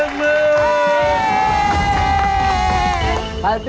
ขึ้นทางแล้วป้ายนี้